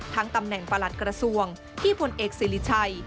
ตำแหน่งประหลัดกระทรวงที่ผลเอกสิริชัย